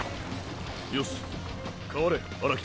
よし代われ荒北。